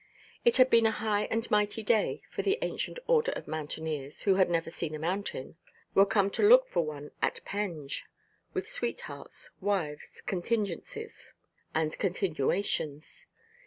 It had been a high and mighty day, for the Ancient Order of Mountaineers (who had never seen a mountain) were come to look for one at Penge, with sweethearts, wives, contingencies, and continuations.